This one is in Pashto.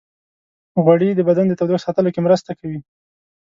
غوړې د بدن د تودوخې ساتلو کې مرسته کوي.